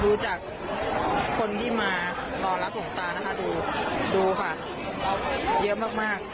ดูจากคนที่มารอรับหลวงตานะคะดูค่ะเยอะมากมาก